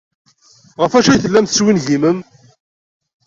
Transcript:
Ɣef wacu ay tellam teswingimem?